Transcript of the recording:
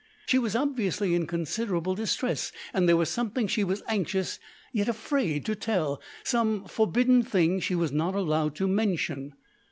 She was obviously in considerable distress, and there was something she was anxious, yet afraid to tell some forbidden thing she was not allowed to mention.